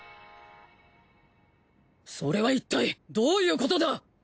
それはいったいどういうことだ。